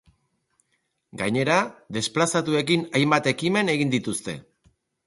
Gainera desplazatuekin hainbat ekimen egin dituzte.